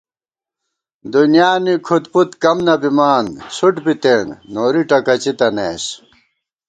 دُنیا نی کھُد پُد کم نہ بِمان ، څھُٹ بِتېن نوری ٹَکَڅِی تنَئیس